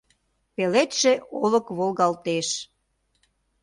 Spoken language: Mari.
Пеледше олык волгалтеш.